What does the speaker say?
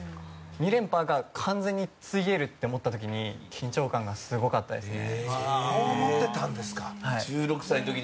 ２連覇が完全に費えるって思った時に緊張感がすごかったですね。